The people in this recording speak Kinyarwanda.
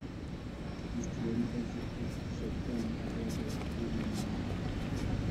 Kristo yari azi ko Satani azagera kuri buri muntu